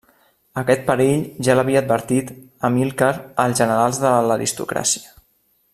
Aquest perill ja l'havia advertit Amílcar als generals de l'aristocràcia.